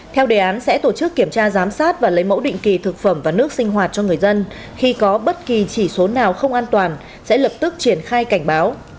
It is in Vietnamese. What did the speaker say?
theo đề án sẽ tổ chức kiểm tra giám sát và lấy mẫu định kỳ thực phẩm và nước sinh hoạt cho người dân khi có bất kỳ chỉ số nào không an toàn sẽ lập tức triển khai cảnh báo